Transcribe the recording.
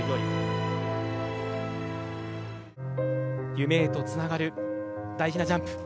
夢へとつながる大事なジャンプ。